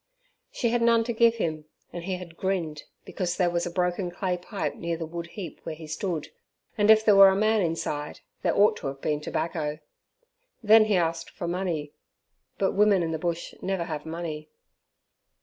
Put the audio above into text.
She had none to give him, and he had grinned, because there was a broken clay pipe near the wood heap where he stood, and if there were a man inside, there ought to have been tobacco. Then he asked for money, but women in the bush never have money.